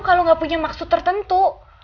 kalau nggak punya maksud tertentu